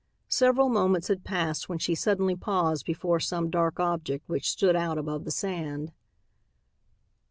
Several moments had passed when she suddenly paused before some dark object which stood out above the sand.